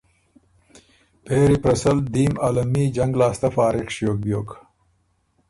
پېری پرسل دیم عالمي جنګ لاسته فارغ ݭیوک بیوک